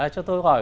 cho tôi hỏi